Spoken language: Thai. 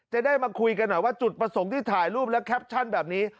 จะได้มาคุยกันหน่อยว่าจุดประสงค์ที่ถ่ายรูปและแคปชั่นแบบนี้